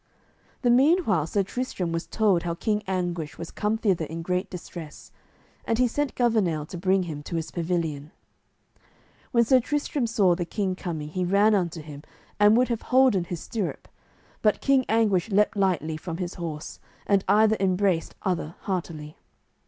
The meanwhile Sir Tristram was told how King Anguish was come thither in great distress, and he sent Gouvernail to bring him to his pavilion. When Sir Tristram saw the king coming he ran unto him and would have holden his stirrup, but King Anguish leaped lightly from his horse, and either embraced other heartily.